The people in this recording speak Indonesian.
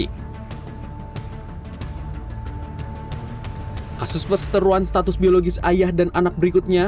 kasus perseteruan status biologis ayah dan anak berikutnya